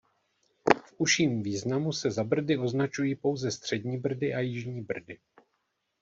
V užším významu se za Brdy označují pouze Střední Brdy a Jižní Brdy.